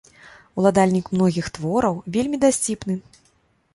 Уладальнік многіх твораў, вельмі дасціпны.